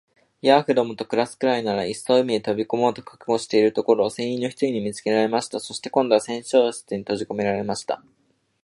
ヤーフどもと暮すくらいなら、いっそ海へ飛び込もうと覚悟しているところを、船員の一人に見つけられました。そして、今度は船長室にとじこめられました。